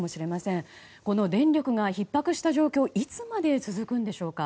節電がひっ迫した状況はいつまで続くのでしょうか。